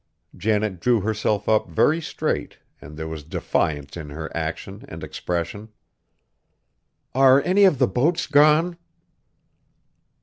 Janet drew herself up very straight and there was defiance in her action and expression. "Are any of the boats gone?"